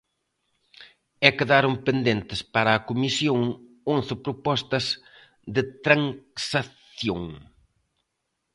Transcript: E quedaron pendentes para a Comisión once propostas de transacción.